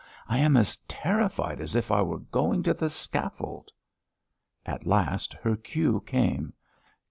I am as terrified as if I were going to the scaffold." At last her cue came.